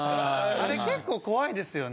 あれ結構怖いですよね。